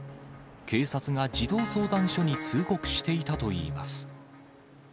警察が児童相談所に通告していたといいます。